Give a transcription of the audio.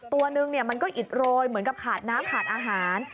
ตัวนึงมันก็อิดโรยเหมือนกับขาดน้ำขาดอาหาร